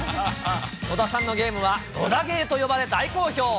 野田さんのゲームは、野田ゲーと呼ばれ、大好評。